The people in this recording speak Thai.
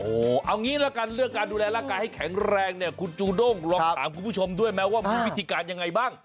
เอางี้ละกันเรื่องการดูแลร่างกายให้แข็งแรงเนี่ยคุณจูด้งลองถามคุณผู้ชมด้วยไหมว่ามีวิธีการยังไงบ้าง